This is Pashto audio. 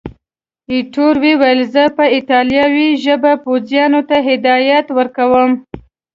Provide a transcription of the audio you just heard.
ایټور وویل، زه په ایټالوي ژبه پوځیانو ته هدایات ورکوم.